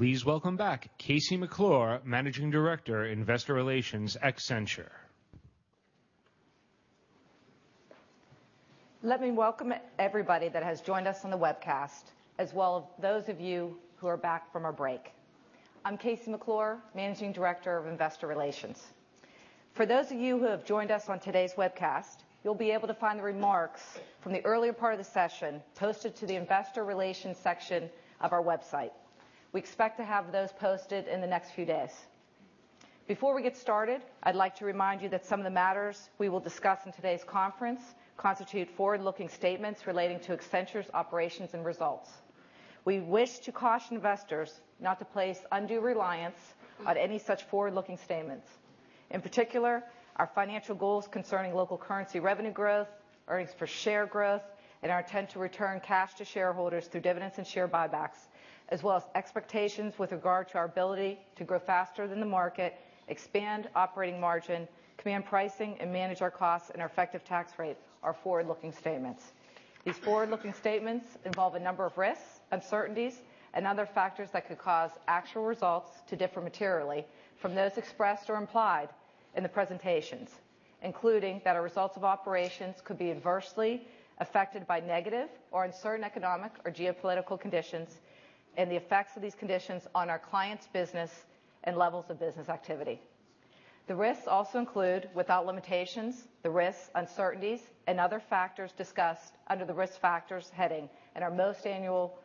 Let me welcome everybody that has joined us on the webcast as well as those of you who are back from our break. I'm Casey McClure, Managing Director of Investor Relations. For those of you who have joined us on today's webcast, you'll be able to find the remarks from the earlier part of the session posted to the Investor Relations section of our website. We expect to have those posted in the next few days. Before we get started, I'd like to remind you that some of the matters we will discuss in today's conference constitute forward looking statements relating to Accenture's operations and results. We wish to caution investors not to place undue reliance on any such forward looking statements. In particular, our financial goals concerning local currency revenue growth, earnings per share growth and our intent to return cash to shareholders through dividends and share buybacks as well as expectations with regard to our ability to grow faster than the market, expand operating margin, command pricing and manage our costs and our effective tax rate are forward looking statements. These forward looking statements involve a number of risks, uncertainties and other factors that could cause actual results to differ materially from those expressed or implied in the presentations, including that our results of operations could be adversely affected by negative or uncertain economic or geopolitical conditions and the effects of these conditions on our clients' business and levels of business activity. The risks also include, without limitations, the risks, uncertainties and other factors discussed under the Risk Factors heading in our most annual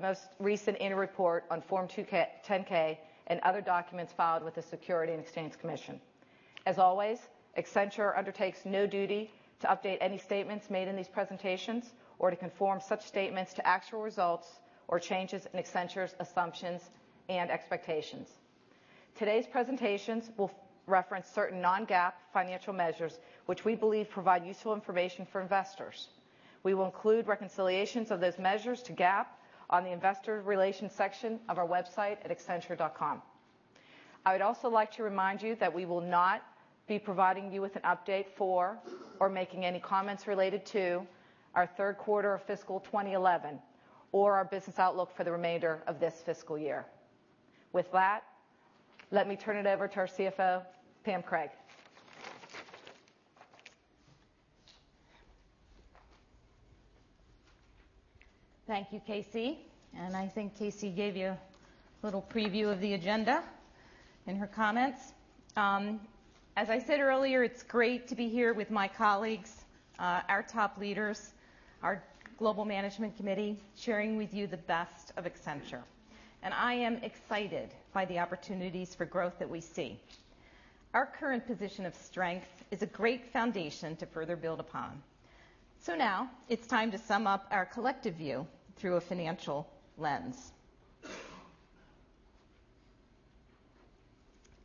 most recent interreport on Form 10 ks and other documents filed with the Securities and Exchange Commission. As always, Accenture undertakes no duty to update any statements made in these presentations or to conform such statements to actual results or changes in Accenture's assumptions and expectations. Today's presentations will reference certain non GAAP financial measures, which we believe provide useful information for investors. We will include reconciliations of those measures to GAAP on the Investor Relations section of our website at accenture.com. I would also like to remind you that we will not be providing you with an update for or making any comments related to our Q3 of fiscal 2011 or our business outlook for the remainder of this fiscal year. With that, let me turn it over to our CFO, Pam Craig. Thank you, Casey. And I think Casey gave you a little preview of the agenda in her comments. As I said earlier, it's great to be here with my colleagues, our top leaders, our Global Management Committee, sharing with you the best of Accenture. And I am excited by the opportunities for growth that we see. Our current position of strength is a great foundation to further build upon. So now it's time to sum up our collective view through a financial lens.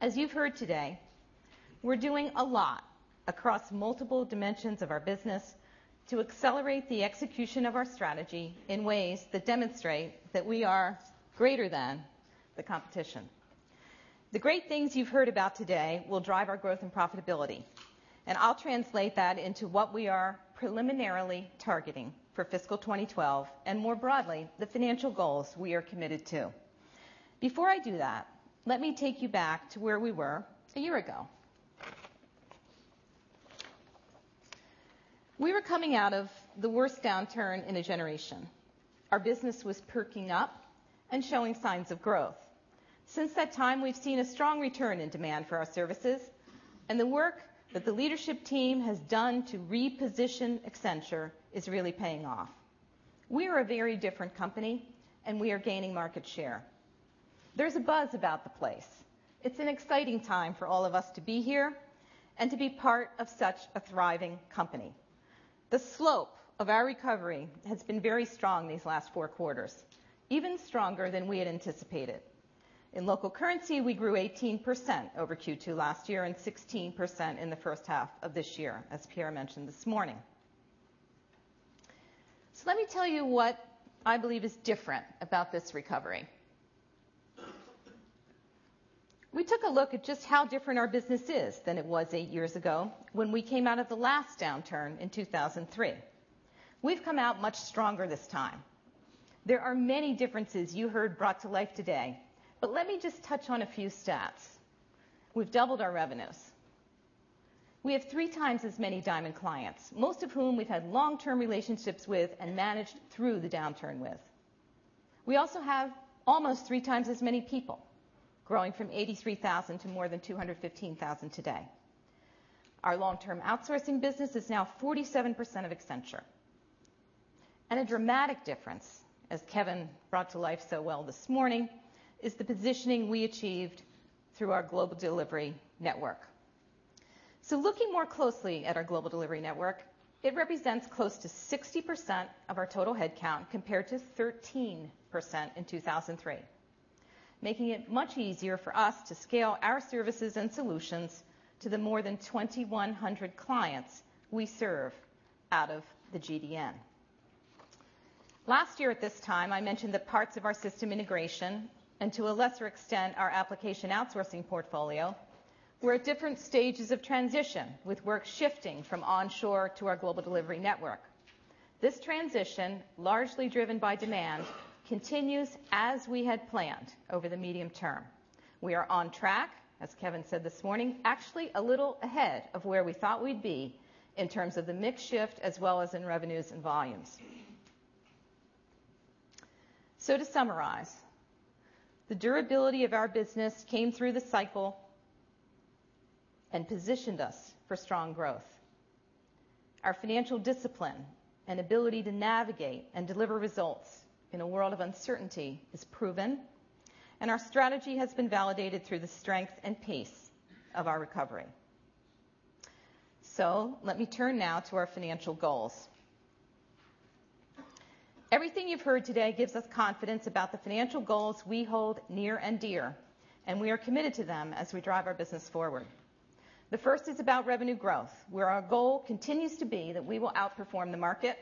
As you've heard today, we're doing a lot across multiple dimensions of our business to accelerate the execution of our strategy in ways that demonstrate that we are greater than the competition. The great things you've heard about today will drive our growth and profitability and I'll translate that into what we are preliminarily targeting for fiscal 2012 and more broadly the financial goals we are committed to. Before I do that, let me take you back to where we were a year ago. We were coming out of the worst downturn in a generation. Our business was perking up and showing signs of growth. Since that time, we've seen a strong return in demand for our services and the work that the leadership team has done to reposition Accenture is really paying off. We are a very different company and we are gaining market share. There's a buzz about the place. It's an exciting time for all of us to be here and to be part of such a thriving company. The slope of our recovery has been very strong these last four quarters, even stronger than we had anticipated. In local currency, we grew 18% over Q2 last year and 16% in the first half of this year, as Pierre mentioned this morning. So let me tell you what I believe is different about this recovery. We took a look at just how different our business is than it was 8 years ago when we came out of the last downturn in 2,003. We've come out much stronger this time. There are many differences you heard brought to life today, but let me just touch on a few stats. We've doubled our revenues. We have 3 times as many Diamond clients, most of whom we've had long term relationships with and managed through the downturn with. We also have almost 3 times as many people, growing from 83,000 to more than 215,000 today. Our long term outsourcing business is now 47% of Accenture. And a dramatic difference, as Kevin brought to life so well this morning, is the positioning we achieved through our global delivery network. So looking more closely at our global delivery network, it represents close to 60% of our total headcount compared to 13% in 2,003, making it much easier for us to scale our services and solutions to the more than 2,100 clients we serve out of the GDN. Last year at this time, I mentioned the parts of our system integration and to a lesser extent, our application outsourcing portfolio we're at different stages of transition with work shifting from onshore to our global delivery network. This transition, largely driven by demand, continues as we had planned over the medium term. We are on track, as Kevin said this morning, actually a little ahead of where we thought we'd be in terms of the mix shift as well as in revenues and volumes. So to summarize, the durability of our business came through the cycle and positioned us for strong growth. Our financial discipline and ability to navigate and deliver results in a world of uncertainty is proven and our strategy has been validated through the strength and pace of our recovery. So let me turn now to our financial goals. Everything you've heard today gives us confidence about the financial goals we hold near and dear, and we are committed to them as we drive our business forward. The first is about revenue growth, where our goal continues to be that we will outperform the market.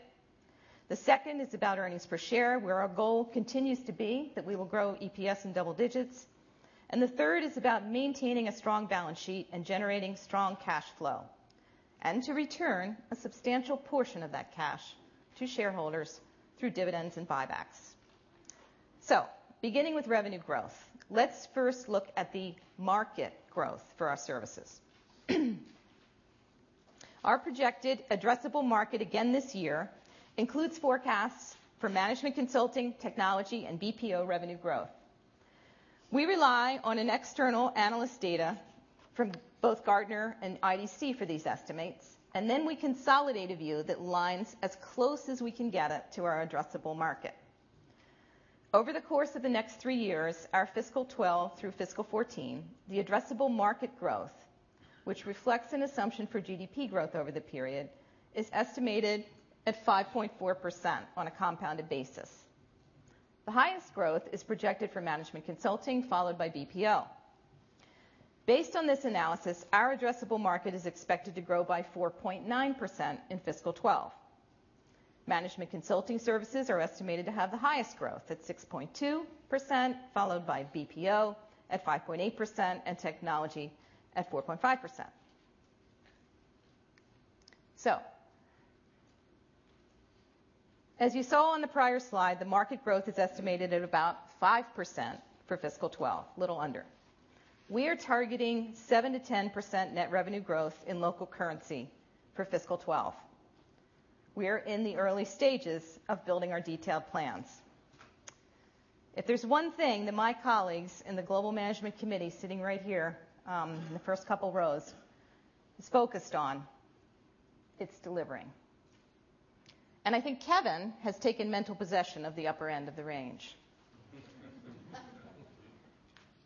The second is about earnings per share, where our goal continues to be that we will grow EPS in double digits. And the third is about maintaining a strong balance sheet and generating strong cash flow and to return a substantial portion of that cash to shareholders through dividends and buybacks. So beginning with revenue growth, let's first look at the market growth for our services. Our projected addressable market again this year includes forecasts for management consulting, technology and BPO revenue growth. We rely on an external analyst data from both Gartner and IDC for these estimates and then we consolidate a view that lines as close as we can get it to our addressable market. Over the course of the next 3 years, our fiscal 'twelve through fiscal 'fourteen, the addressable market growth, which reflects an assumption for GDP growth over the period, is estimated at 5.4% on a compounded basis. The highest growth is projected for Management Consulting followed by BPO. Based on this analysis, our addressable market is expected to grow by 4.9% in fiscal 'twelve. Management consulting services are estimated to have the highest growth at 6.2 percent followed by BPO at 5.8% and technology at 4.5%. So as you saw on the prior slide, the market growth is estimated at about 5% for fiscal 'twelve, little under. We are targeting 7% to 10% net revenue growth in local currency for fiscal 'twelve. We are in the early stages of building our detailed plans. If there's one thing that my colleagues in the Global Management Committee sitting right here, in the first couple of rows is focused on, it's delivering. And I think Kevin has taken mental possession of the upper end of the range.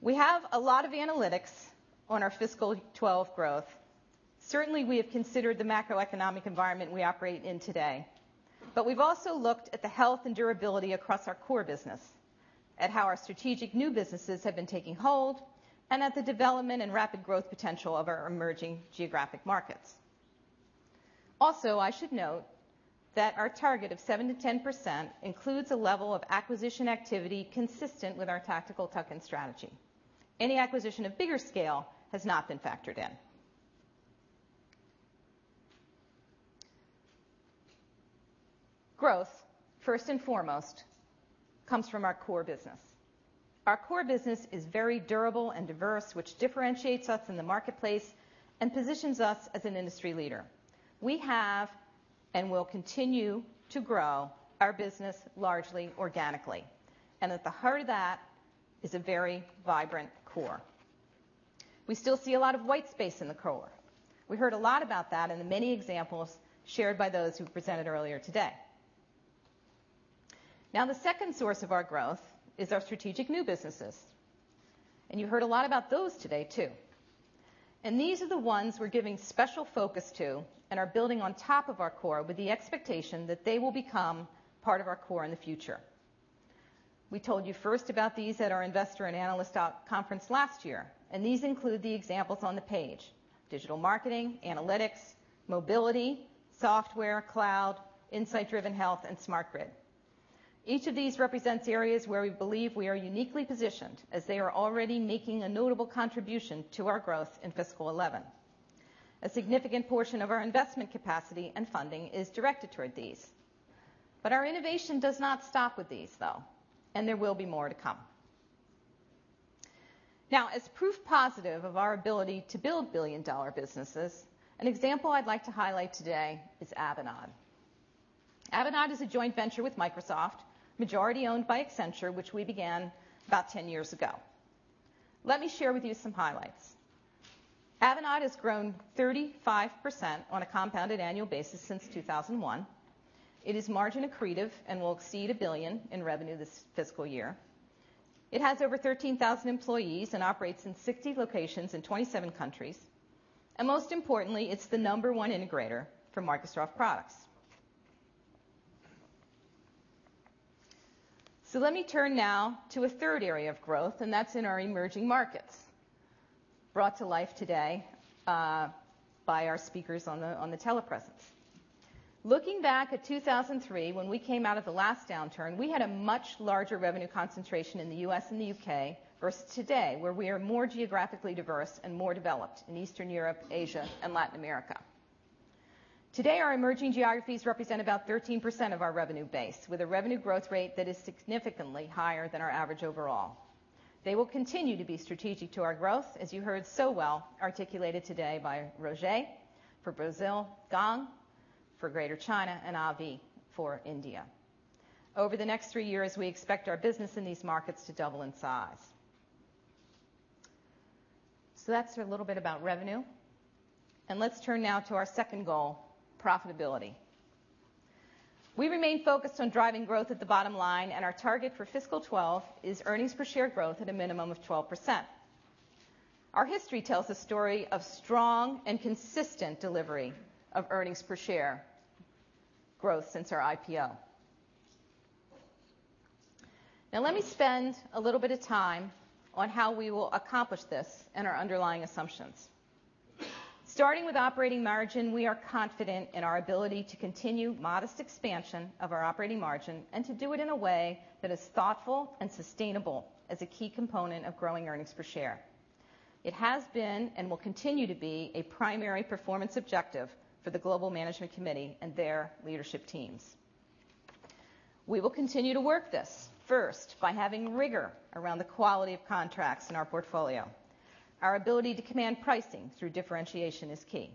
We have a lot of analytics on our fiscal 'twelve growth. Certainly, we have considered the macroeconomic environment we operate in today, but we've also looked at the health and durability across our core business, at how our strategic new businesses have been taking hold and at the development and rapid growth potential of our emerging geographic markets. Also, I should note that our target of 7% to 10% includes a level of acquisition activity consistent with our tactical tuck in strategy. Any acquisition of bigger scale has not been factored in. Growth, 1st and foremost, comes from our core business. Our core business is very durable and diverse, which differentiates us in the marketplace and positions us as an industry leader. We have and will continue to grow our business largely organically. And at the heart of that is a very vibrant core. We still see a lot of white space in the core. We heard a lot about that in the many examples shared by those who presented earlier today. Now the second source of our growth is our strategic new businesses. And you heard a lot about those today too. And these are the ones we're giving special focus to and are building on top of our core with the expectation that they will become part of our core in the future. We told you first about these at our Investor and Analyst Conference last year, and these include the examples on the page: digital marketing, analytics, mobility, software, cloud, insight driven health and smart grid. Each of these represents areas where we believe we are uniquely positioned as they are already making a notable contribution to our growth in fiscal 'eleven. A significant portion of our investment capacity and funding is directed toward these. But our innovation does not stop with these though, and there will be more to come. Now as proof positive of our ability to build $1,000,000,000 businesses, an example I'd like to highlight today is Avanade. Avanade is a joint venture with Microsoft, majority owned by Accenture, which we began about 10 years ago. Let me share with you some highlights. Avanade has grown 35% on a compounded annual basis since 2,001. It is margin accretive and will exceed €1,000,000,000 in revenue this fiscal year. It has over 13,000 employees and operates in 60 locations in 27 countries. And most importantly, it's the number one integrator for Microsoft products. So let me turn now to a third area of growth, and that's in our emerging markets brought to life today by our speakers on the telepresence. Looking back at 2,003, when we came out of the last downturn, we had a much larger revenue concentration in the U. S. And the U. K. Versus today, where we are more geographically diverse and more developed in Eastern Europe, Asia and Latin America. Today, our emerging geographies represent about 13% of our revenue base with a revenue growth rate that is significantly higher than our average overall. They will continue to be strategic to our growth, as you heard so well articulated today by Roger for Brazil, Gong for Greater China and Avi for India. Over the next 3 years, we expect our business in these markets to double in size. So that's a little bit about revenue. And let's turn now to our second goal, profitability. We remain focused on driving growth at the bottom line and our target for fiscal 'twelve is earnings per share growth at a minimum of 12%. Our history tells a story of strong and consistent delivery of earnings per share growth since our IPO. Now let me spend a little bit of time on how we will accomplish this and our underlying assumptions. Starting with operating margin, we are confident in our ability to continue modest expansion of our operating margin and to do it in a way that is thoughtful and sustainable as a key component of growing earnings per share. It has been and will continue to be a primary performance objective for the Global Management Committee and their leadership teams. We will continue to work this, 1st, by having rigor around the quality of contracts in our portfolio. Our ability to command pricing through differentiation is key.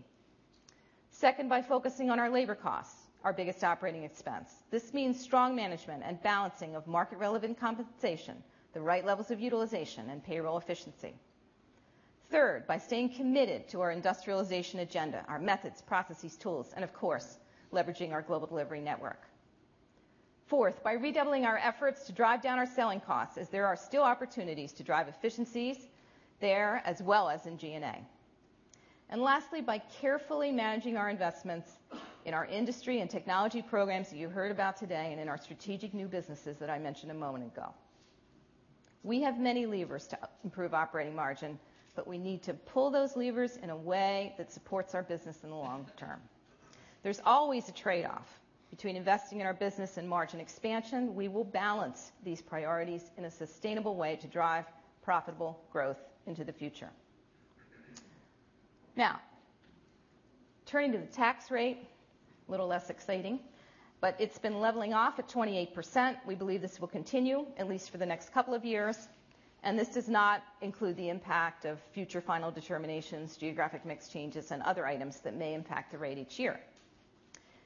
2nd, by focusing on our labor costs, our biggest operating expense. This means strong management and balancing of market relevant compensation, the right levels of utilization and payroll efficiency. 3rd, by staying committed to our industrialization agenda, our methods, processes, tools and of course, leveraging our global delivery network. 4th, by redoubling our efforts to drive down our selling costs as there are still opportunities to drive efficiencies there as well as in G and A. And lastly, by carefully managing our investments in our industry and technology programs that you heard about today and in our strategic new businesses that I mentioned a moment ago. We have many levers to improve operating margin, but we need to pull those levers in a way that supports our business in the long term. There's always a trade off between investing in our business and margin expansion. We will balance these priorities in a sustainable way to drive profitable growth into the future. Now turning to the tax rate, a little less exciting, but it's been leveling off at 28%. We believe this will continue at least for the next couple of years. And this does not include the impact of future final determinations, geographic mix changes and other items that may impact the rate each year.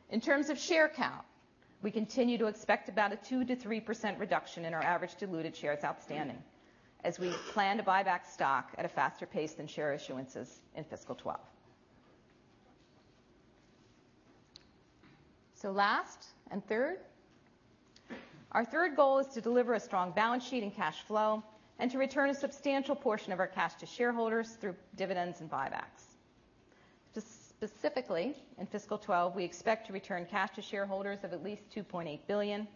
In terms of share count, we continue to expect about a 2% to 3% reduction in our average diluted shares outstanding as we plan to buy back stock at a faster pace than share issuances in fiscal 'twelve. So last and third, our third goal is to deliver a strong balance sheet and cash flow and to return a substantial portion of our cash to shareholders through dividends and buybacks. Specifically, in fiscal 'twelve, we expect to return cash to shareholders of at least £2,800,000,000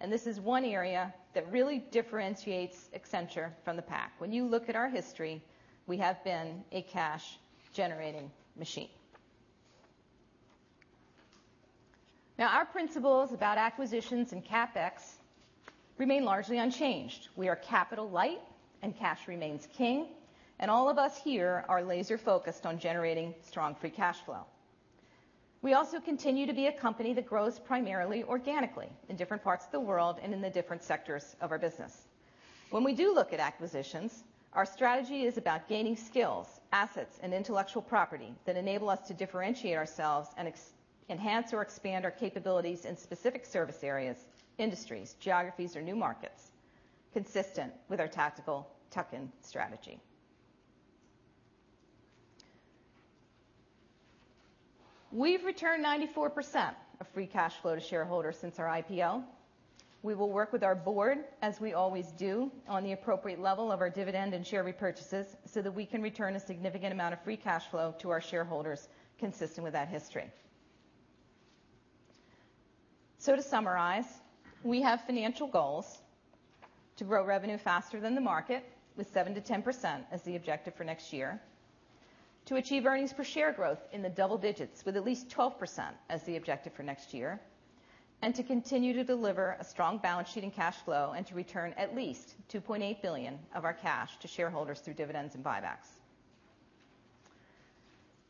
and this is one area that really differentiates Accenture from the pack. When you look at our history, we have been a cash generating machine. Now our principles about acquisitions and CapEx remain largely unchanged. We are capital light and cash remains king, and all of us here are laser focused on generating strong free cash flow. We also continue to be a company that grows primarily organically in different parts of the world and in the different sectors of our business. When we do look at acquisitions, our strategy is about gaining skills, assets and intellectual property that enable us to differentiate ourselves and enhance or expand our capabilities in specific service areas, industries, geographies or new markets, consistent with our tactical tuck in strategy. We've returned 94% of free cash flow to shareholders since our IPO. We will work with our board as we always do on the appropriate level of our dividend and share repurchases so that we can return a significant amount of free cash flow to our shareholders consistent with that history. So to summarize, we have financial goals to grow revenue faster than the market with 7% to 10% as the objective for next year to achieve earnings per share growth in the double digits with at least 12% as the objective for next year and to continue to deliver a strong balance sheet and cash flow and to return at least €2,800,000,000 of our cash to shareholders through dividends and buybacks.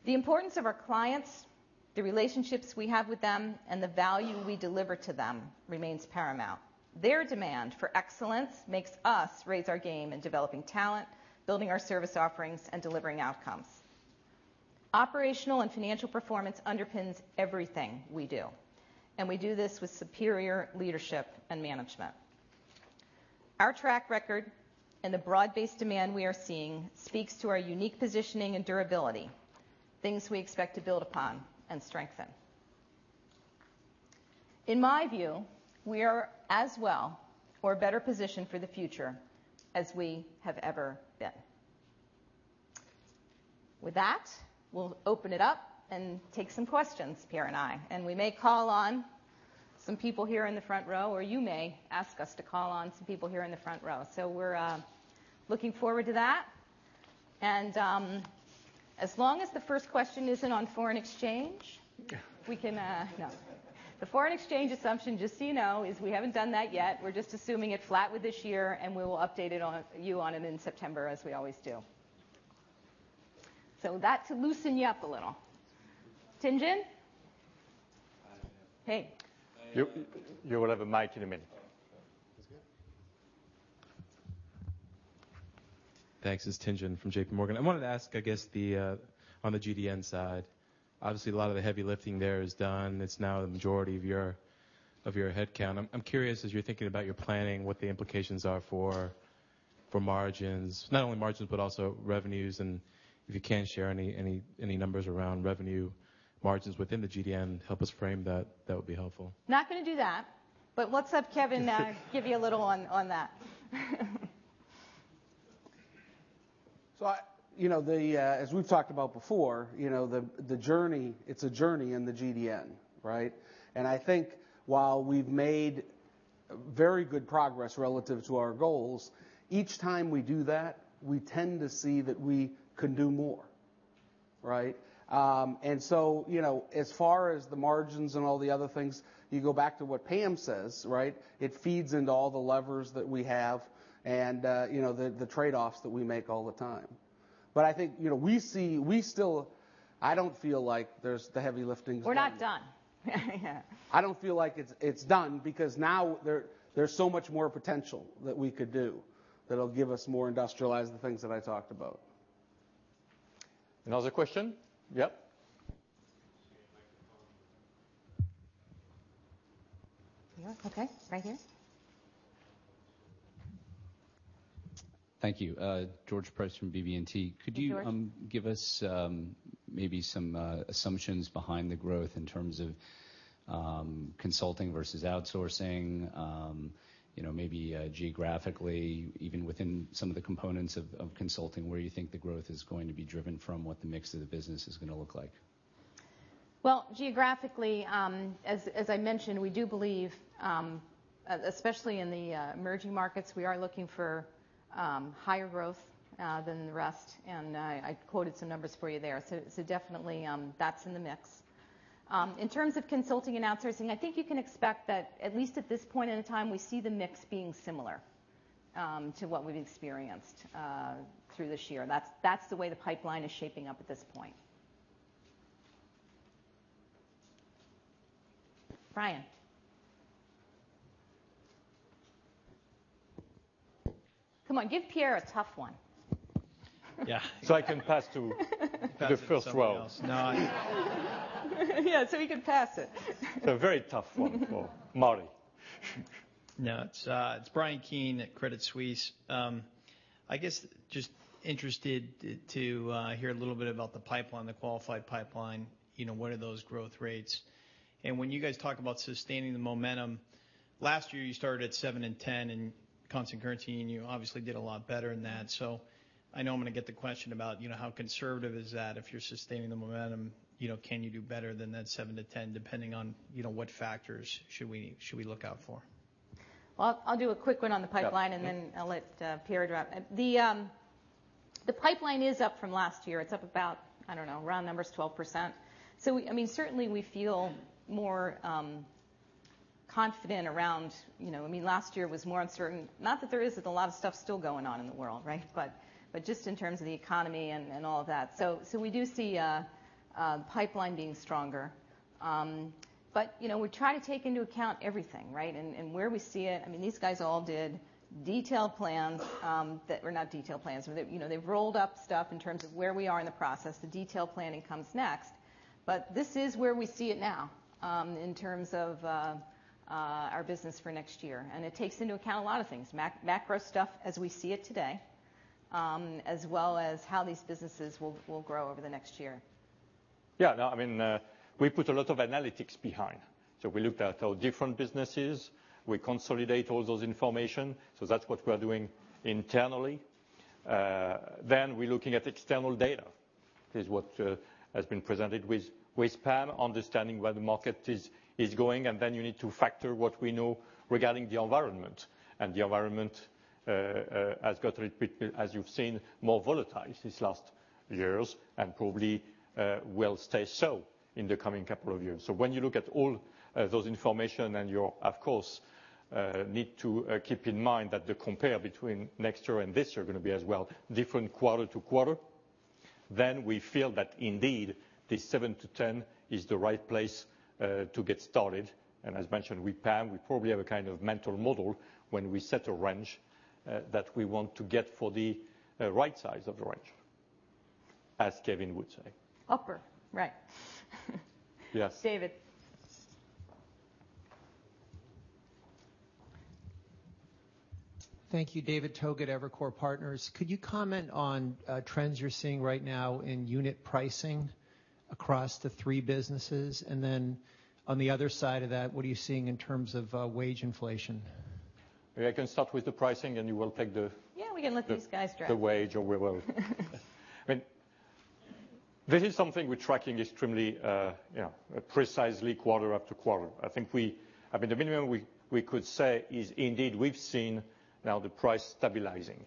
The importance of our clients, the relationships we have with them and the value we deliver to them remains paramount. Their demand for excellence makes us raise our game in developing talent, building our service offerings and delivering outcomes. Operational and financial performance underpins everything we do and we do this with superior leadership and management. Our track record and the broad based demand we are seeing speaks to our unique positioning and durability, things we expect to build upon and strengthen. In my view, we are as well or better positioned for the future as we have ever been. With that, we'll open it up and take some questions, Pierre and I. And we may call on some people here in the front row, or you may ask us to call on some people here in the front row. So we're looking forward to that. And as long as the first question isn't on foreign exchange, we can no. The foreign exchange assumption, just so you know, is we haven't done that yet. We're just assuming it flat with this year, and we will update it on you on it in September as we always do. So that to loosen you up a little. Tien Tsin? Hi. Hey. You will have a mic in a minute. Thanks. This is Tien Tsin from JPMorgan. I wanted to ask, I guess, the on the GDN side. Obviously, a lot of the heavy lifting there is done. It's now the majority of your headcount. I'm curious as you're thinking about your planning, what the implications are for margins, not only margins but also revenues and if you can share any numbers around revenue margins within the GDM, help us frame that, that would be helpful. Not going to do that, but let's have Kevin give you a little on that. So as we've talked about before, the journey it's a journey in the GDN, right? And I think while we've made very good progress relative to our goals, each time we do that, we tend to see that we can do more, right? And so as far as the margins and all the other things, you go back to what Pam says, right? It feeds into all the levers that we have and the trade offs that we make all the time. But I think we see we still I don't feel like there's the heavy lifting. We're not done. I don't feel like it's done because now there's so much more potential that we could do that'll give us more industrialized the things that I talked about. Another question? Yes. Thank you. George Price from BB and T. Could you give us maybe some assumptions behind the growth in terms of consulting versus outsourcing, maybe geographically, even within some of the components of consulting, where you think the growth is going to be driven from what the mix of the business is going to look like? Well, geographically, as I mentioned, we do believe, especially in the emerging markets, we are looking for higher growth than the rest, and I quoted some numbers for you there. So definitely, that's in the mix. In terms of consulting and outsourcing, I think you can expect that at least at this point in time, we see the mix being similar to what we've experienced through this year. That's the way the pipeline is shaping up at this point. Brian? Come on, give Pierre a tough one. So I can pass to the first row. Yes. So we can pass it. It's a very tough one for Marley. No. It's Brian Keane at Credit Suisse. I guess just interested to hear a little bit about the pipeline, the qualified pipeline, what are those growth rates? And when you guys talk about sustaining the momentum, last year you started at 7% and 10% in constant currency and you obviously did a lot better than that. So I know I'm going to get the question about how conservative is that if you're sustaining the momentum, can you do better than that 7% to 10% depending on what factors should we look out for? Well, I'll do a quick one on the pipeline, and then I'll let Pierre drop. The pipeline is up from last year. It's up about, I don't know, round numbers 12%. So I mean, certainly, we feel more confident around I mean, last year was more uncertain, not that there is a lot of stuff still going on in the world, right, but just in terms of the economy and all of that. So we do see pipeline being stronger. But we try to take into account everything, right? And where we see it, I mean, these guys all did detailed plans that were not detailed plans. They rolled up stuff in terms of where we are in the process. The detailed planning comes next. But this is where we see it now in terms of our business for next year. And it takes into account a lot of things, macro stuff as we see it today, as well as how these businesses will grow over the next year. Yes. No, I mean we put a lot of analytics behind. So we look at our different businesses. We consolidate all those information. So that's what we're doing internally. Then we're looking at external data. This is what has been presented with Span, understanding where the market is going and then you need to factor what we know regarding the environment. And the environment, has got a little bit as you've seen more volatile these last years and probably will stay so in the coming couple of years. So when you look at all those information and you, of course, need to keep in mind that the compare between next year and this year are going to be as well different quarter to quarter. Then we feel that indeed this 7% to 10% is the right place to get started. And as mentioned with Pam, we probably have a kind of mental model when we set a range that we want to get for the right size of the range, as Kevin would say. Upper, right. David? Thank you. David Togut, Evercore Partners. Could you comment on trends you're seeing right now in unit pricing across the 3 businesses? And then on the other side of that, what are you seeing in terms of wage inflation? I can start with the pricing, and you will take the Yes, we can let these guys drive. The wage or we will. I mean, this is something we're tracking extremely precisely quarter after quarter. I think we I mean, the minimum we could say is indeed we've seen now the price stabilizing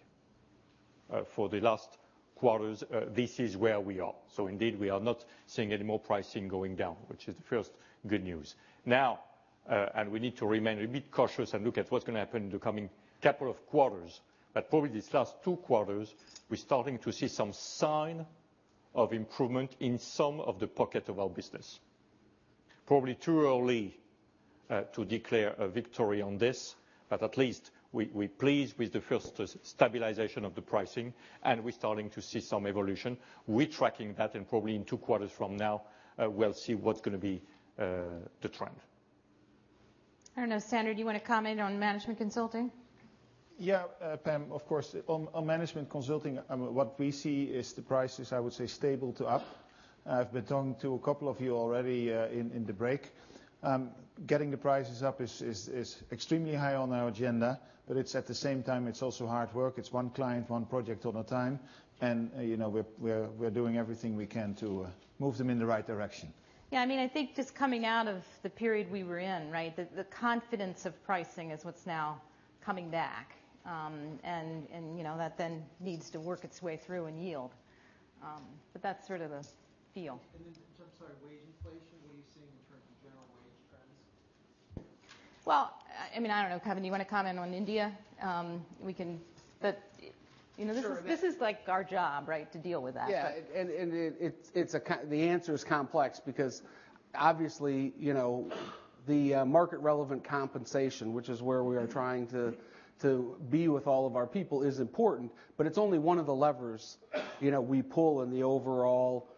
For the last quarters, this is where we are. So indeed, we are not seeing any more pricing going down, which is the first good news. Now and we need to remain a bit cautious and look at what's going to happen in the coming couple of quarters. But probably these last two quarters, we're starting to see some sign of improvement in some of the pockets of our business. Probably too early to declare a victory on this, but at least we're pleased with the first stabilization of the pricing and we're starting to see some evolution. We're tracking that and probably in 2 quarters from now, we'll see what's going to be the trend. I don't know, Sander, do you want to comment on management consulting? Yes, Pam, of course. On management consulting, what we see is the prices, I would say, stable to up. I've been talking to a couple of you already in the break. Getting the prices up is extremely high on our agenda, but it's at the same time, it's also hard work. It's one client, one project at a time. And we're doing everything we can to move them in the right direction. Yes. I mean, I think just coming out of the period we were in, right, the confidence of pricing is what's now coming back. And that then needs to work its way through and yield. But that's sort of the feel. And then, I'm sorry, wage inflation, what are you seeing in terms of general wage trends? Well, I mean, I don't know. Kevin, do you want to comment on India? We can but this is like our job, right, to deal with that? Yes. And it's the answer is complex because obviously, the market relevant compensation, which is where we are trying to be with all of our people, is important. But it's only one of the levers we pull in the overall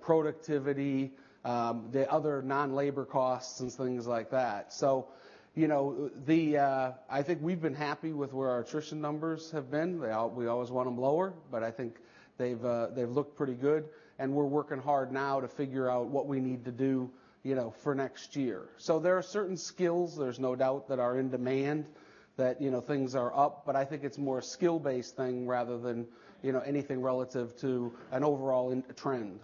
productivity, the other non labor costs and things like that. So the I think we've been happy with where our attrition numbers have been. We always want them lower, but I think they've looked pretty good. And we're working hard now to figure out what we need to do for next year. So there are certain skills, there's no doubt that are in demand that things are up. But I think it's more a skill based thing rather than anything relative to an overall trend.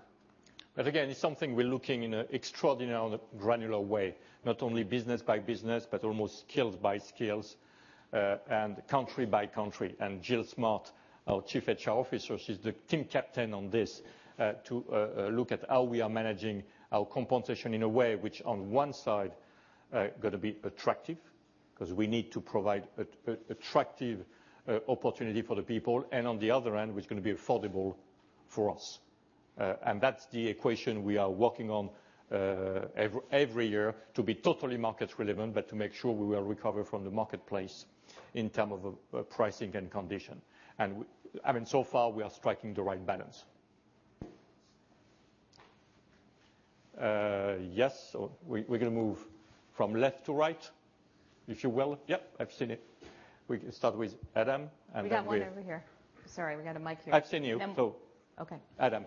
But again, it's something we're looking in an extraordinary and granular way, not only business by business but almost skills by skills and country by country. And Jill Smart, our Chief HR Officer, she's the team captain on this to look at how we are managing our compensation in a way which on one side are going to be attractive because we need to provide attractive opportunity for the people and on the other hand, which is going to be affordable for us. And that's the equation we are working on every year to be totally market relevant but to make sure we will recover from the marketplace in terms of pricing and condition. And I mean so far we are striking the right balance. Yes, we're going to move from left to right, if you will. Yes, I've seen it. We can start with Adam. We've got one over here. Sorry, we've got a mic here. I've seen you. Okay. Adam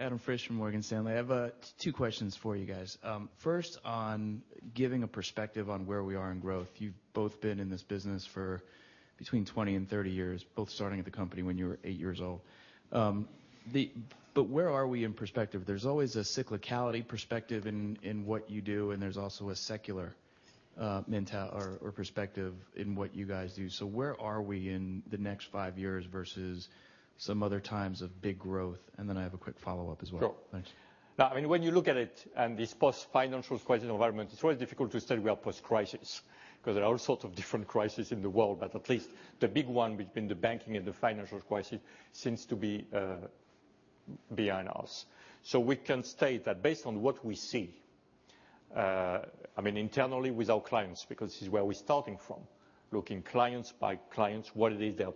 Friesch from Morgan Stanley. I have two questions for you guys. First on giving a perspective on where we are in growth. You've both been in this business for between 2030 years, both starting at the company when you were 8 years old. But where are we in perspective? There's always a cyclicality perspective in what you do and there's also a secular mentality or perspective in what you guys do. So where are we in the next 5 years versus some other times of big growth? And then I have a quick follow-up as well. Thanks. Sure. No, I mean, when you look at it and this post financial crisis environment, it's really difficult to say we are post crisis because there are all sorts of different crisis in the world. But at least the big one between the banking and the financial crisis seems to be behind us. So we can state that based on what we see, I mean, internally with our clients because this is where we're starting from, looking clients by clients, what it is they're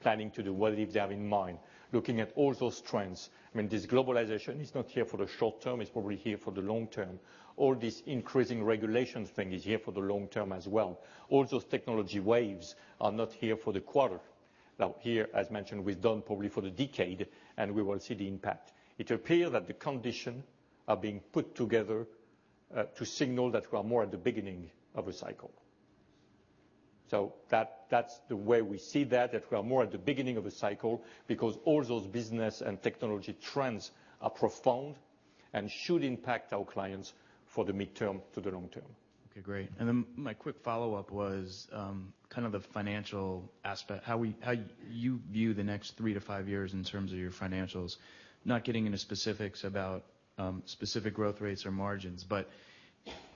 planning to do, what it is they have in mind, looking at all those trends. I mean this globalization is not here for the short term, it's probably here for the long term. All this increasing regulations thing is here for the long term as well. All those technology waves are not here for the quarter. Now here, as mentioned, we've done probably for the decade and we will see the impact. It appears that the conditions are being put together to signal that we are more at the beginning of a cycle. So that's the way we see that that we are more at the beginning of a cycle because all those business and technology trends are profound and should impact our clients for the mid term to the long term. Okay, great. And then my follow-up was kind of the financial aspect, how you view the next 3 to 5 years in terms of your financials, not getting into specifics about specific growth rates or margins. But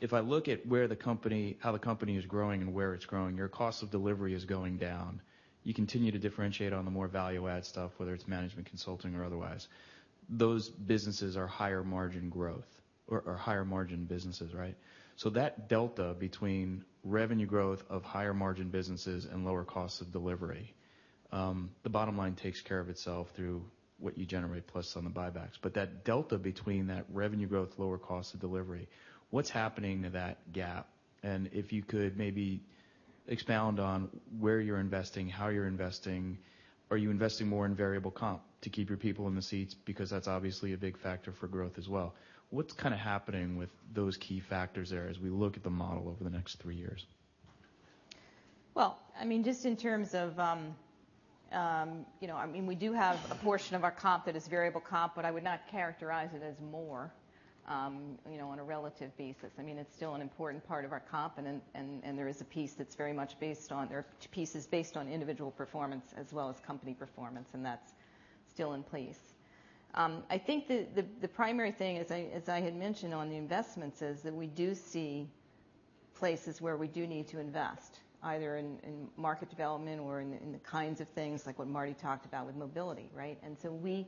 if I look at where the company how the company is growing and where it's growing, your cost of delivery is going down. You continue to differentiate on the more value add stuff, whether it's management consulting or otherwise. Those businesses are higher margin growth or higher margin businesses, right? So that delta between revenue growth of higher margin businesses and lower cost of delivery, the bottom line takes care of itself through what you generate plus on the buybacks. But that delta between that revenue growth, lower cost of delivery, what's happening to that gap? And if you could maybe expound on where you're investing, how you're investing, are you investing more in variable comp to keep your people in the seats because that's obviously a big factor for growth as well. What's kind of happening with those key factors there as we look at the model over the next 3 years? Well, I mean, just in terms of I mean, we do have a portion of our comp that is variable comp, but I would not characterize it as more on a relative basis. I mean, it's still an important part of our comp and there is a piece that's very much based on there are pieces based on individual performance as well as company performance, and that's still in place. I think the primary thing is, as I had mentioned on the investments is that we do see places where we do need to invest, either in market development or in the kinds of things like what Marty talked about with mobility, right? And so we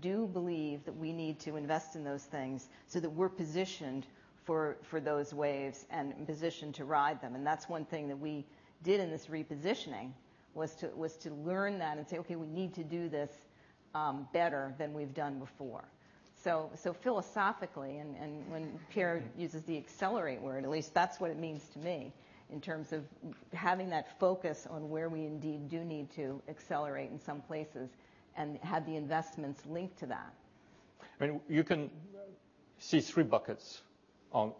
do believe that we need to invest in those things so that we're positioned for those waves and positioned to ride them. And that's one thing that we did in this repositioning was to learn that and say, okay, we need to do this better than we've done before. So philosophically, and when Pierre uses the accelerate word, at least that's what it means to me in terms of having that focus on where we indeed do need to accelerate in some places and have the investments linked to that? I mean you can see 3 buckets on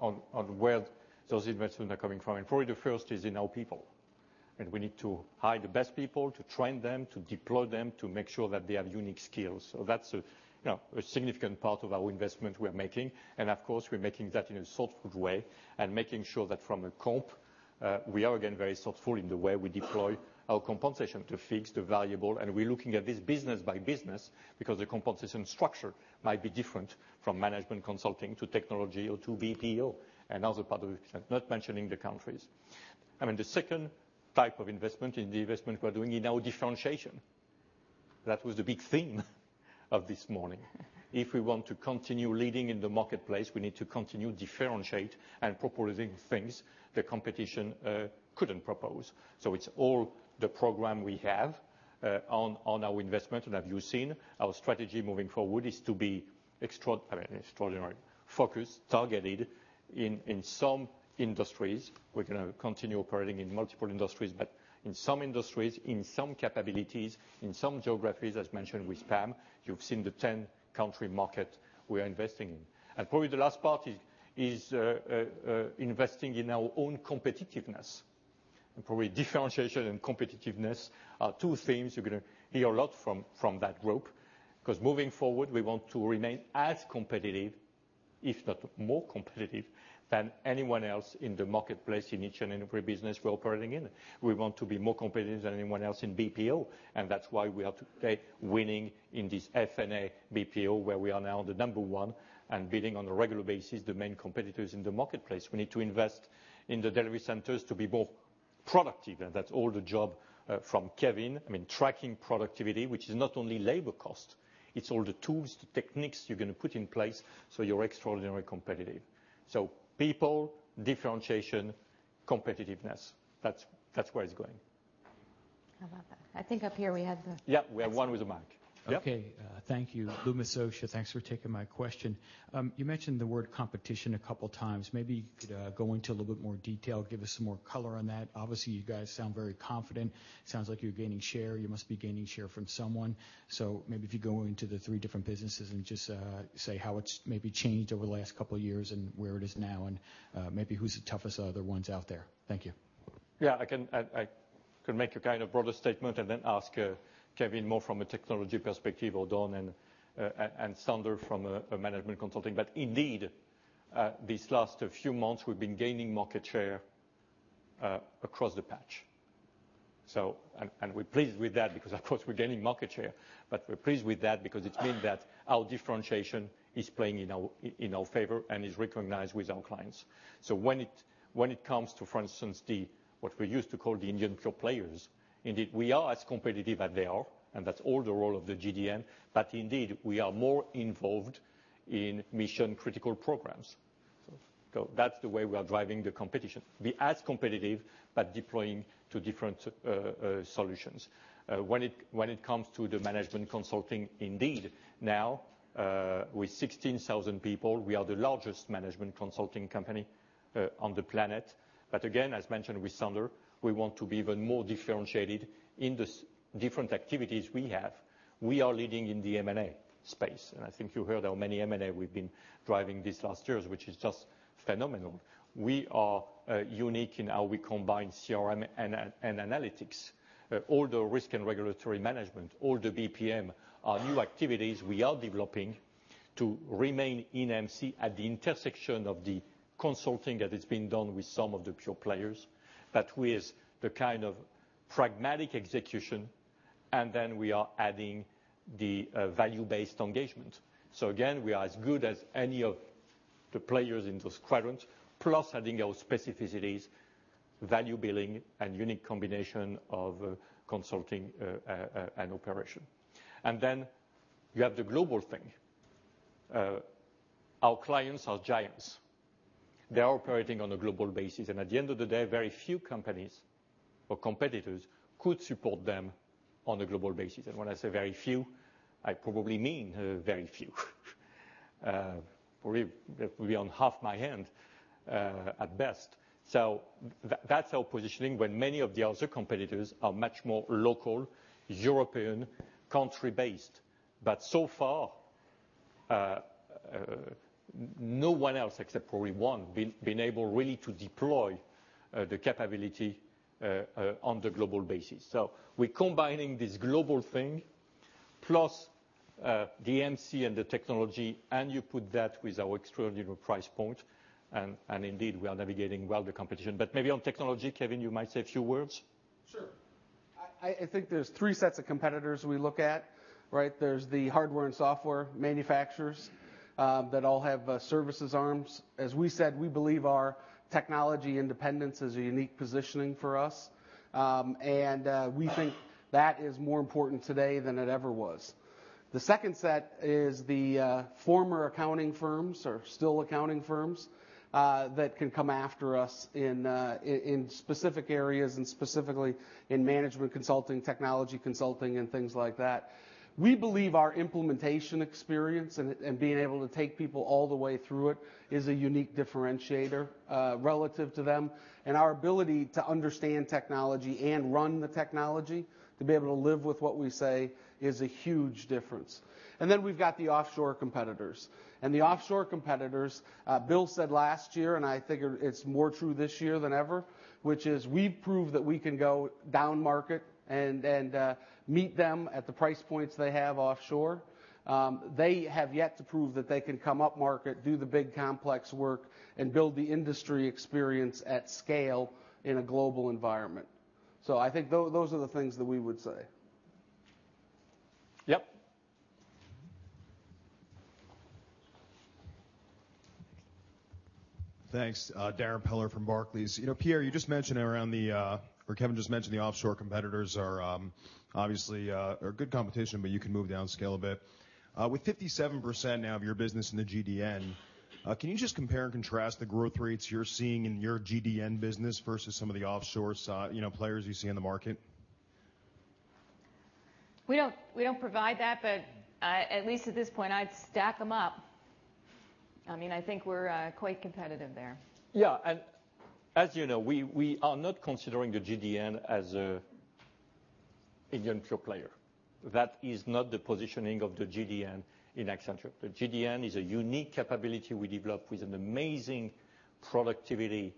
where those investments are coming from. And for you, the first is in our people. And we need to hire the best people, to train them, to deploy them, to make sure that they have unique skills. So that's a significant part of our investment we're making. And of course, we're making that in a thoughtful way and making sure that from a comp, we are again very thoughtful in the way we deploy our compensation to fix the variable. And we're looking at this business by business because the compensation structure might be different from management consulting to technology or to BPO and other part of the business, not mentioning the countries. I mean the second type of investment in the investment we're doing is now differentiation. That was the big thing of this morning. If we want to continue leading in the marketplace, we need to continue differentiate and proposing things the competition couldn't propose. So it's all the program we have on our investment. And as you've seen, our strategy moving forward is to be extraordinary, focused, targeted in some industries. We're going to continue operating in multiple industries, but in some industries, in some capabilities, in some geographies, as mentioned with PAM, you've seen the 10 country markets we are investing in. And probably the last part is investing in our own competitiveness. And probably differentiation and competitiveness are 2 things you're going to hear a lot from that group because moving forward, we want to remain as competitive, if not more competitive than anyone else in the marketplace in each and every business we're operating in. We want to be more competitive than anyone else in BPO. And that's why we are today winning in this F and A BPO where we are now the number 1 and building on a regular basis the main competitors in the marketplace. We need to invest in the delivery centers to be both productive. That's all the job from Kevin, I mean tracking productivity, which is not only labor cost. It's all the tools, the techniques you're going to put in place so you're extraordinary competitive. So people, differentiation, competitiveness, that's where it's going. How about that? I think up here we have the Yes, we have one with the mic. Okay. Thank you. Luma Socia, thanks for taking my question. You mentioned the word competition a couple of times. Maybe you could go into a little bit more detail, give us some more color on that. Obviously, you guys sound very confident. It sounds like you're gaining share. You must be gaining share from someone. So maybe if you go into the 3 different businesses and just say how it's maybe changed over the last couple of years and where it is now and maybe who's the toughest other ones out there? Thank you. Yes, I can make a kind of broader statement and then ask Kevin more from a technology perspective or Don and Sandler from a management consulting. But indeed these last few months, we've been gaining market share across the patch. So and we're pleased with that because of course we're gaining market share. But we're pleased with that because it means that our differentiation is playing in our favor and is recognized with our clients. So when it comes to, for instance, the what we used to call the Indian pure players, indeed we are as competitive as they are and that's all the role of the GDN. But indeed, we are more involved in mission critical programs. So that's the way we are driving the competition, be as competitive but deploying to different solutions. When it comes to the management consulting, indeed now with 16,000 people, we are the largest management consulting company on the planet. But again, as mentioned with Sander, we want to be even more differentiated in the different activities we have. We are leading in the M and A space. And I think you heard how many M and A we've been driving this last year, which is just phenomenal. We are unique in how we combine CRM and analytics. All the risk and regulatory management, all the BPM are new activities we are developing to remain in MC at the intersection of the consulting that has been done with some of the pure players, but with the kind of pragmatic execution and then we are adding the value based engagement. So again, we are as good as any of the players in those quadrants plus adding our specificities, value billing and unique combination of consulting and operation. And then you have the global thing. Our clients are giants. They are operating on a global basis. And at the end of the day, very few companies or competitors could support them on a global basis. And when I say very few, I probably mean very few, probably on half my hand at best. So that's our positioning when many of the other competitors are much more local, European, country based. But so far, no one else except for everyone been able really to deploy the capability on the global basis. So we're combining this global thing plus the MC and the technology and you put that with our extraordinary price point. And indeed, we are navigating well the competition. But maybe on technology, Kevin, you might say a few words. Sure. I think there's 3 sets of competitors we look at, right? There's the hardware and software manufacturers that all have services arms. As we said, we believe our technology independence is a unique positioning for us. And we think that is more important today than it ever was. The second set is the former accounting firms or still accounting firms that can come after us in specific areas and specifically in management consulting, technology consulting and things like that. We believe our implementation experience and being able to take people all the way through it is a unique differentiator relative to them. And our ability to understand technology and run the technology to be able to live with what we say is a huge difference. And then we've got the offshore competitors. And the offshore competitors, Bill said last year, and I think it's more true this year than ever, which is we've proved that we can go down market and meet them at the price points they have offshore. They have yet to prove that they can come up market, do the big complex work and build the industry experience at scale in a global environment. So I think those are the things that we would say. Yes. Thanks. Darren Peller from Barclays. Pierre, you just mentioned around the or Kevin just mentioned the offshore competitors are obviously good competition, but you can move downscale a bit. With 57% now of your business in the GDN, can you just compare and contrast the growth rates you're seeing in your GDN business versus some of the off source players you see in the market? We don't provide that. But at least at this point, I'd stack them up. I mean, I think we're quite competitive there. Yes. And as you know, we are not considering the GDN as an industrial player. That is not the positioning of the GDN in Accenture. The GDN is a unique capability we developed with an amazing productivity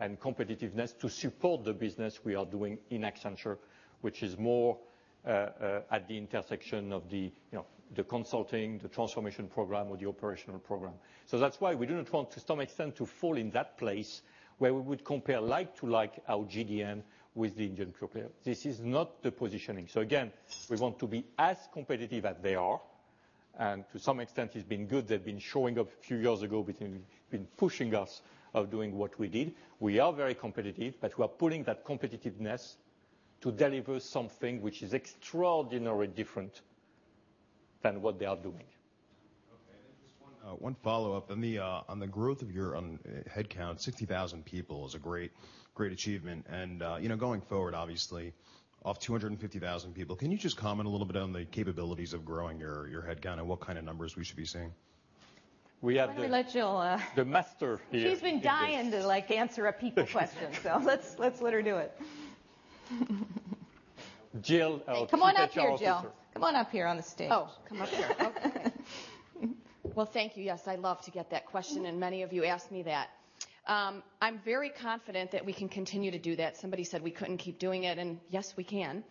and competitiveness to support the business we are doing in Accenture, which is more at the intersection of the consulting, the transformation program or the operational program. So that's why we do not want to some extent to fall in that place where we would compare like to like our GDN with the Indian pure player. This is not the positioning. So again, we want to be as competitive as they are. And to some extent, it's been good. They've been showing up a few years ago between been pushing us of doing what we did. We are very competitive, but we are pulling that competitiveness to deliver something which is extraordinarily different than what they are doing. Okay. And then just one follow-up. On the growth of your headcount, 60,000 people is a great, great achievement. And going forward, obviously, of 250,000 people, can you just comment a little bit on the capabilities of growing your headcount and what kind of numbers we should be seeing? We have the master here. She's been dying to, like, answer a people question. So let's let's let her do it. Jill, I'll take your call. Come on up here, Jill. Come on up here on the stage. Oh. Come up here. Okay. Well, thank you. Yes, I love to get that question and many of you asked me that. I'm very confident that we can continue to do that. Somebody said we couldn't keep doing it and yes, we can.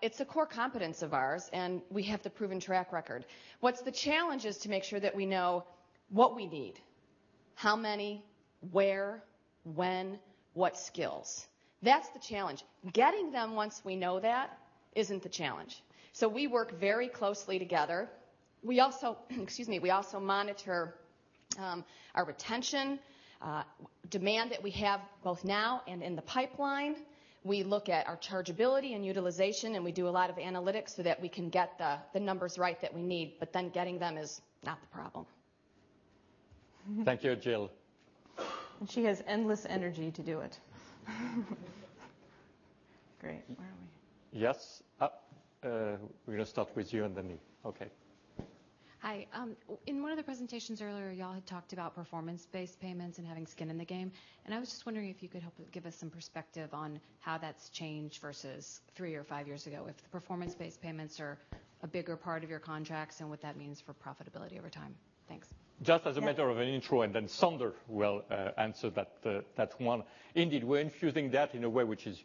It's a core competence of ours. And we have the proven track record. What's the challenge is to make sure that we know what we need, how many, where, when, what skills. That's the challenge. Getting them once we know that isn't the challenge. So we work very closely together. We also excuse me, we also monitor, our retention, demand that we have both now and in the pipeline. We look at our chargeability and utilization, and we do a lot of analytics so that we can get the numbers right that we need, but then getting them is not the problem. Thank you, Jill. And she has endless energy to do it. Great. Where are we? Yes. We're going to start with you and then me. Okay. Hi. In one of the presentations earlier, you all had talked about performance based payments and having skin in the game. And I was just wondering if you could help give us some perspective on how that's changed versus 3 or 5 years ago, if the performance based payments are a bigger part of your contracts and what that means for profitability over time? Thanks. Just as a matter of an intro and then Sander will answer that one. Indeed, we're infusing that in a way which is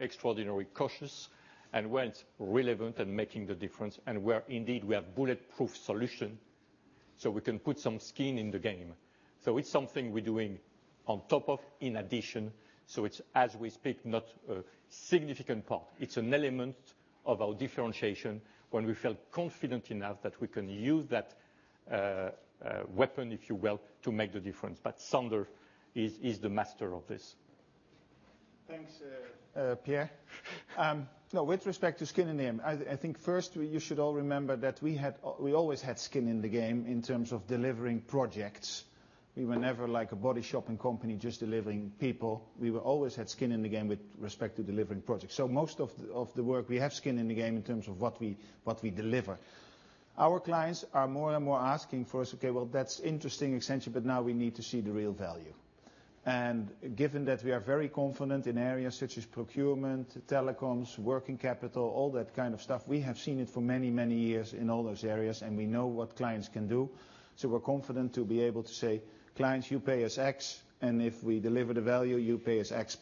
extraordinary cautious and when relevant and making the difference and where indeed we have bulletproof solution so we can put some skin in the game. So it's something we're doing on top of in addition. So it's, as we speak, not a significant part. It's an element of our differentiation when we felt confident enough that we can use that weapon, if you will, to make the difference. But Sander is the master of this. Thanks, Pierre. With respect to skin in the game, I think first, you should all remember that we always had skin in the game in terms of delivering projects. We were never like a body shopping company just delivering people. We always had skin in the game with respect to delivering projects. So most of the work, we have skin in the game in terms of what we deliver. Our clients are more and more asking for us, okay, well, that's interesting extension, but now we need to see the real value. And given that we are very confident in areas such as procurement, telecoms, working capital, all that kind of stuff, we have seen it for many, many years in all those areas and we know what clients can do. So we're confident to be able to say, clients, you pay us X and if we deliver the value, you pay us X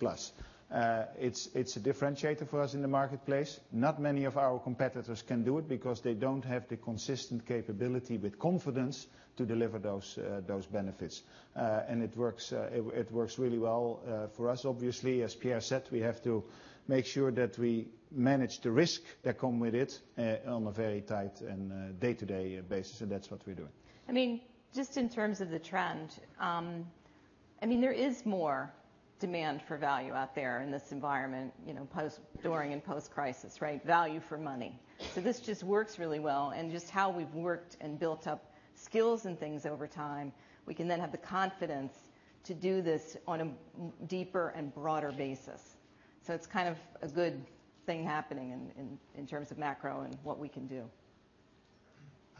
plus. It's a differentiator for us in the marketplace. Not many of our competitors can do it because they don't have the consistent capability with confidence to deliver those benefits. And it works really well for us, obviously. As Pierre said, we have to make sure that we manage the risk that come with it on a very tight and day to day basis and that's what we're doing. I mean just in terms of the trend, I mean, there is more demand for value out there in this environment during and post crisis, right, value for money. So this just works really well. And just how we've worked and built up skills and things over time, we can then have the confidence to do this on a deeper and broader basis. So it's kind of a good thing happening in terms of macro and what we can do.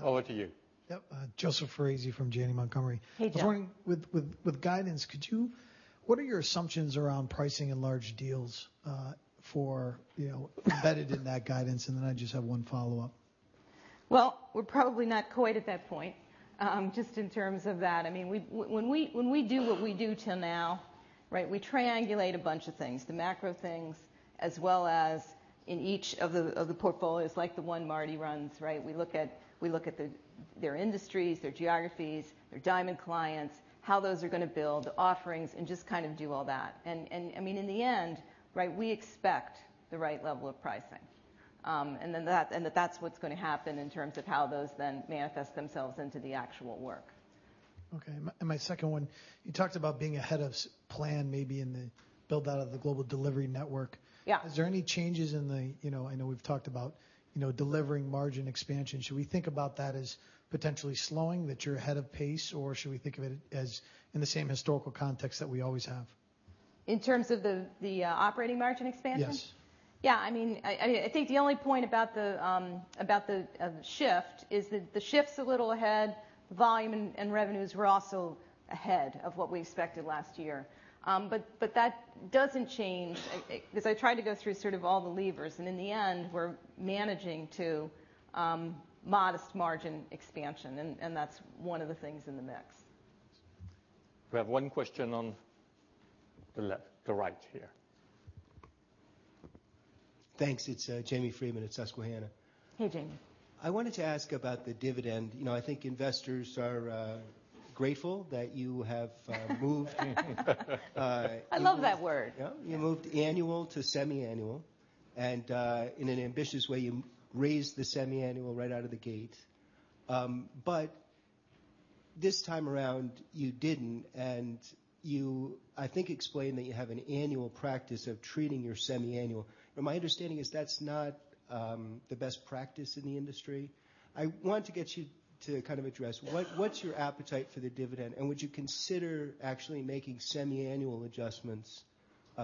Over to you. Yes. Joseph Foresi from Janney Montgomery. Hey, Joseph. With guidance, could you what are your assumptions around pricing in large deals for embedded in that guidance? And then I just have one follow-up. Well, we're probably not quite at that point, just in terms of that. I mean, when we do what we do till now, right, we triangulate a bunch of things, the macro things as well as in each of the portfolios like the one Marty runs, right? We look at their industries, their geographies, their diamond clients, how those are going to build, the offerings and just kind of do all that. And I mean, in the end, right, we expect the right level of pricing. And then that and that that's what's going to happen in terms of how those then manifest themselves into the actual work. Okay. And my second one, you talked about being ahead of plan maybe in the build out of the global delivery network. Yes. Is there any changes in the I know we've talked about delivering margin expansion. Should we think about that as potentially slowing that you're ahead of pace or should we think of it as in the same historical context that we always have? In terms of the operating margin expansion? Yes. Yes. I mean, I think the only point about the shift is that the shift is a little ahead. Volume and revenues were also ahead of what we expected last year. But that doesn't change because I tried to go through sort of all the levers. And in the end, we're managing to modest margin expansion, and that's one of the things in the mix. We have one question on the left the right here. Thanks. It's Jamie Freeman at Susquehanna. Hey, Jamie. I wanted to ask about the dividend. I think investors are grateful that you have moved I love that word. Yes, you moved annual to semiannual. And in an ambitious way, you raised the semiannual right out of the gate. But this time around, you didn't. And you, I think, explained that you have an annual practice of treating your semiannual. My understanding is that's not, the best practice in the industry. I want to get you to kind of address what's your appetite for the dividend? And would you consider actually making semiannual adjustments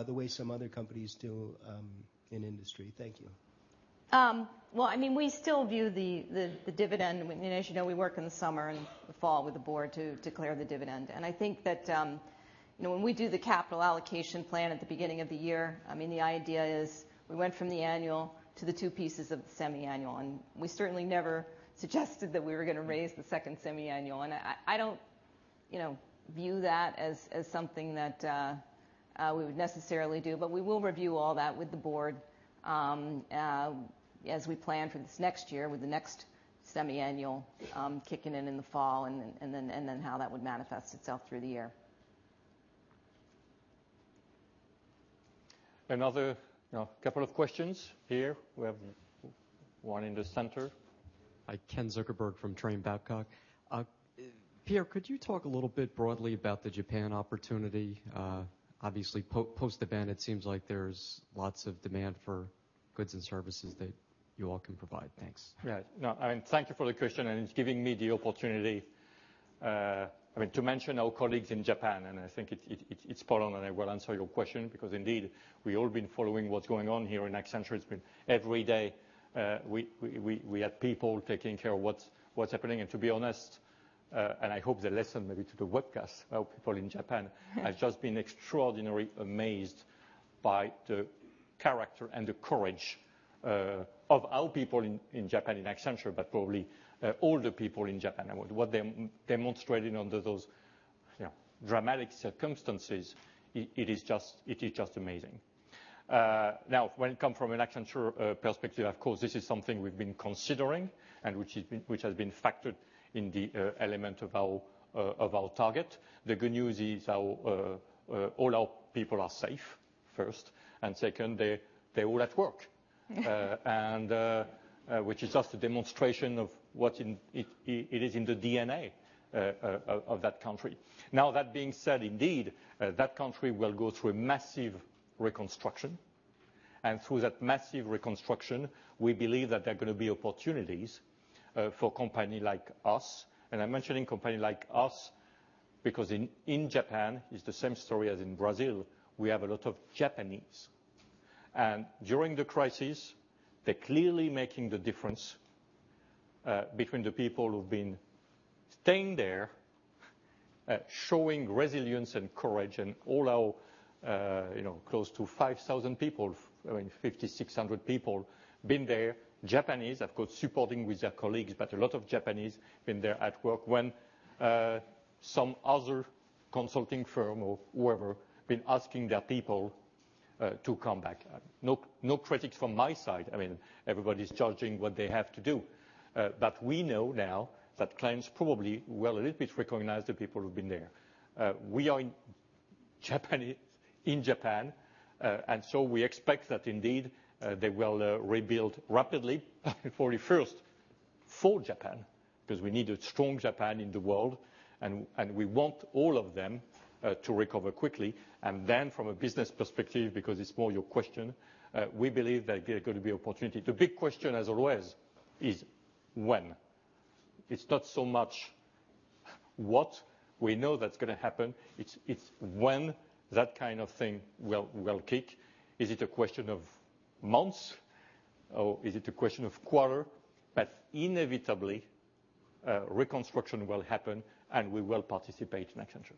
the way some other companies do in industry? Thank you. Well, I mean, we still view the dividend. And as you know, we work in the summer and the fall with the Board to declare the dividend. And I think that when we do the capital allocation plan at the beginning of the year, I mean, the idea is we went from the annual to the 2 pieces of the semiannual. And we certainly never suggested that we were going to raise the 2nd semiannual. And I don't view that as something that we would necessarily do, but we will review all that with the board as we plan for this next year with the next semiannual kicking in, in the fall and then how that would manifest itself through the year. Another couple of questions here. We have one in the center. Ken Zuckerberg from Trane Babcock. Pierre, could you talk a little bit broadly about the Japan opportunity? Obviously, post the ban, it seems like there's lots of demand for goods and services that you all can provide. Thanks. Yes. No, I mean, thank you for the question, and it's giving me the opportunity, I mean, to mention our colleagues in Japan. And I think it's Paul and I will answer your question because indeed, we've all been following what's going on here in Accenture. It's been every day, we had people taking care of what's happening. And to be honest, and I hope the lesson maybe to the webcast, I hope people in Japan, has just been extraordinarily amazed by the character and the courage of our people in Japan in Accenture but probably all the people in Japan. And what they're demonstrating under those dramatic circumstances, it is just amazing. Now when it comes from an Accenture perspective, of course, this is something we've been considering and which has been factored in the element of our target. The good news is all our people are safe, 1st. And second, they're all at work, which is just a demonstration of what it is in the DNA of that country. Now that being said, indeed that country will go through a massive reconstruction. And through that massive reconstruction, we believe that there are going to be opportunities for a company like us. And I'm mentioning a company like us because in Japan, it's the same story as in Brazil, we have a lot of Japanese. And during the crisis, they're clearly making the difference between the people who've been staying there, showing resilience and courage and all our close to 5,000 people, I mean 5,600 people been there, Japanese, of course, supporting with their colleagues, but a lot of Japanese been there at work when some other consulting firm or whoever been asking their people to come back. No critics from my side. I mean everybody's charging what they have to do. But we know now that clients probably will a little bit recognize the people who've been there. We are in Japan. And so we expect that indeed they will rebuild rapidly 41st for Japan because we need a strong Japan in the world and we want all of them to recover quickly. And then from a business perspective, because it's more your question, we believe there's going to be opportunity. The big question as always is when. It's not so much what we know that's going to happen. It's when that kind of thing will kick. Is it a question of months? Or is it a question of quarter? But inevitably, reconstruction will happen and we will participate in Accenture.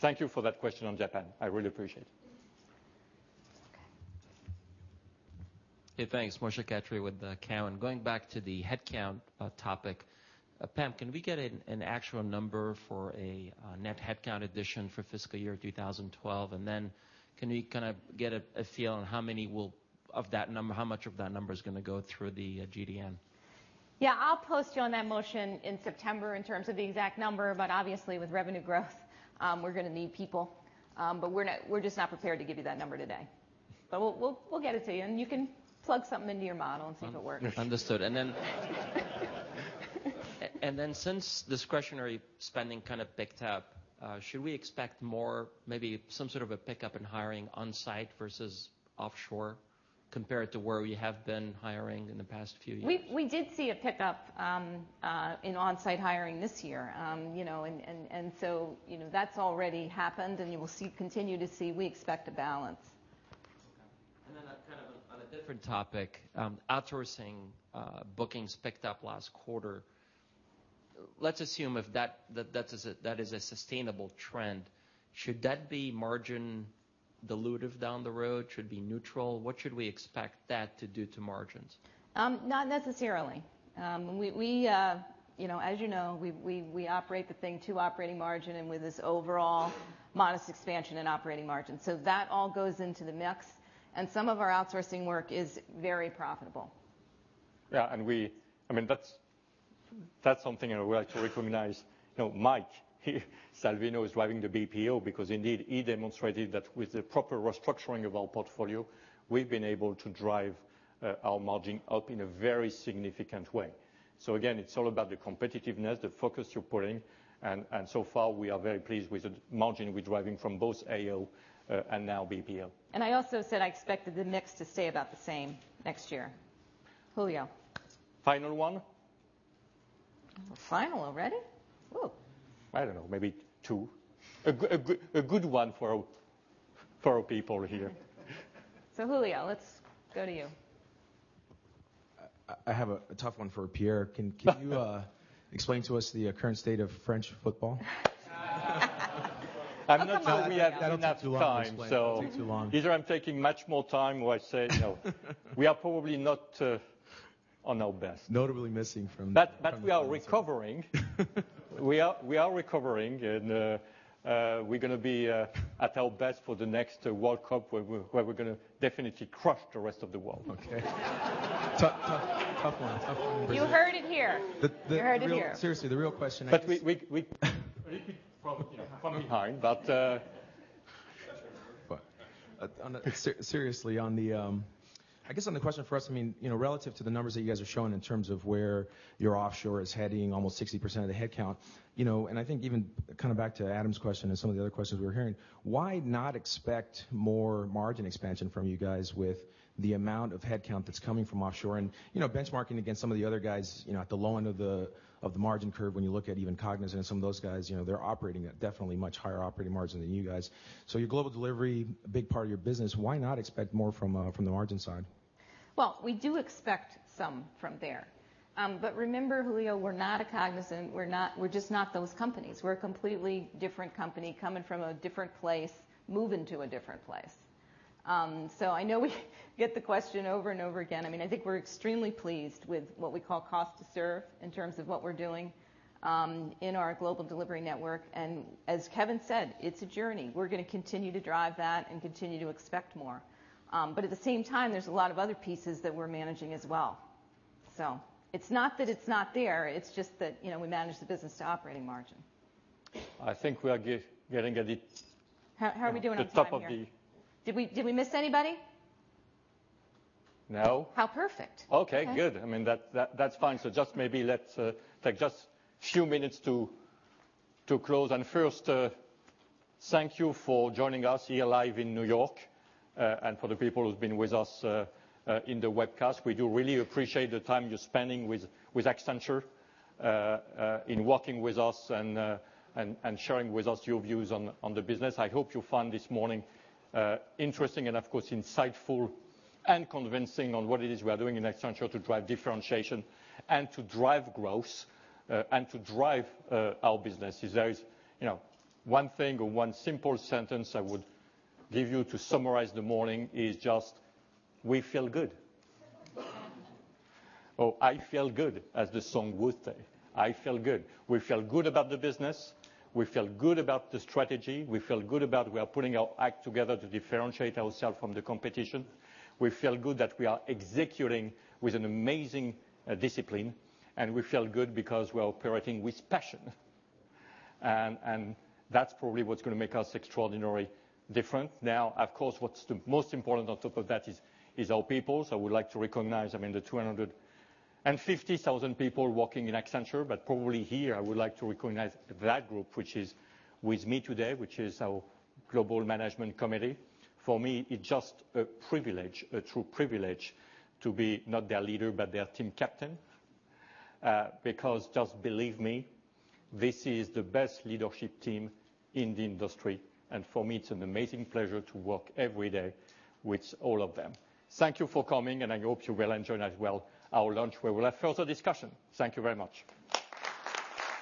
Thank you for that question on Japan. I really appreciate it. Moshe Katri with Cowen. Going back to the headcount topic, Pam, can we get an actual number for a net headcount addition for fiscal year 2012? And then can we kind of get a feel on how many will of that number how much of that number is going to go through the GDN? Yes. I'll post you on that motion in September in terms of the exact number. But obviously, with revenue growth, we're going to need people. But we're just not prepared to give you that number today. But we'll get it to you, and you can plug something into your model and see if it works. Understood. And then and should we expect more should we expect more maybe some sort of a pickup in hiring on-site versus offshore compared to where we have been hiring in the past few years? We did see a pickup in on-site hiring this year. And so that's already happened, and you will see continue to see we expect a balance. Okay. And then kind of on a different topic, outsourcing bookings picked up last quarter. Let's assume if that is a sustainable trend, should that be margin dilutive down the road, should be neutral, what should we expect that to do to margins? Not necessarily. We as you know, we operate the thing to operating margin and with this overall modest expansion in operating margin. So that all goes into the mix. And some of our outsourcing work is very profitable. Yes. And we I mean, that's something we like to recognize. Mike, Salvino is driving the BPO because indeed, he demonstrated that with the proper restructuring of our portfolio, we've been able to drive our margin up in a very significant way. So again, it's all about the competitiveness, the focus you're putting. And so far, we are very pleased with the margin we're driving from both AO and now BPL. And I also said I expected the mix to stay about the same next year. Julio? Final one. Final already? I don't know, maybe 2. A good one for for our people here. So, Julio, let's go to you. I have a tough one for Pierre. Can you explain to us the current state of French football? I'm not sure we have enough time. That's too long. So, either I'm taking much more time where I say no. We are probably not on our best. Notably missing from But we are recovering. We are recovering, and we're going to be at our best for the next World Cup where we're going to definitely crush the rest of the world. You heard it here. Seriously, the real question is But we Probably coming time, but Seriously, on the I guess on the question for us, I mean relative to the numbers that you guys are showing in terms of where your offshore is heading almost 60% of the headcount, and I think even kind of back to Adam's question and some of the other questions we're hearing, why not expect more margin expansion from you guys with the amount of headcount that's coming from offshore? And benchmarking against some of the other guys at the low end of the margin curve when you look at even Cognizant, some of those guys, they're operating at definitely much higher operating margin than you guys. So your global delivery, a big part of your business, why not expect more from the margin side? Well, we do expect some from there. But remember, Julio, we're not a cognizant we're not we're just not those companies. We're a completely different company coming from a different place moving to a different place. So I know we get the question over and over again. I mean, I think we're extremely pleased with what we call cost to serve in terms of what we're doing in our global delivery network. And as Kevin said, it's a journey. We're going to continue to drive that and continue to expect more. But at the same time, there's a lot of other pieces that we're managing as well. So it's not that it's not there. It's just that we manage the business to operating margin. I think we are getting a bit How are we doing on the table? That's top of the Did we miss anybody? No. How perfect. Okay, good. I mean, that's fine. So just maybe let's take just a few minutes to close. And first, thank you for joining us here live in New York and for the people who've been with us in the webcast. We do really appreciate the time you're spending with Accenture in working with us and sharing with us your views on the business. I hope you found this morning interesting and of course insightful and convincing on what it is doing in Accenture to drive differentiation and to drive growth and to drive our business. There is one thing or one simple sentence I would give you to summarize the morning is just we feel good. Oh I feel good as the song would say. I feel good. We feel good about the business. We feel good about the strategy. We feel good about we are putting our act together to differentiate ourselves from the competition. We feel good that we are executing with an amazing discipline. And we feel good because we're operating with passion. And that's probably what's going to make us extraordinarily different. Now of course what's most important on top of that is our people. So I would like to recognize I mean the 250,000 people working in Accenture, but probably here I would like to recognize that group which is with me today, which is our Global Management Committee. For me it's just a privilege, a true privilege to be not their leader but their team captain because just believe me, this is the best leadership team in the industry. And for me, it's an amazing pleasure to work every day with all of them. Thank you for coming, and I hope you will enjoy as well our lunch where we'll have further discussion. Thank you very much.